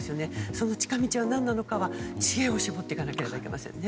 その近道は何なのかは知恵を絞っていかないといけないですね。